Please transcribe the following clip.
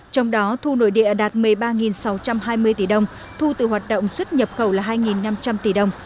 trong đó thu nội địa đạt một mươi ba sáu trăm hai mươi tỷ đồng thu từ hoạt động xuất nhập khẩu là hai năm trăm linh tỷ đồng